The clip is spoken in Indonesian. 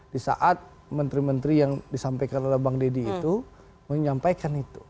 di saat menteri menteri yang disampaikan oleh bang deddy itu menyampaikan itu